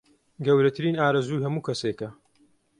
گەورەترین ئارەزووی هەموو کەسێکە